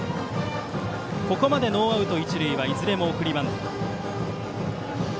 ここまでノーアウト、一塁はいずれも送りバント。